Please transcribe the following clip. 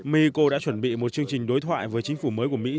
mexico đã chuẩn bị một chương trình đối thoại với chính phủ mới của mỹ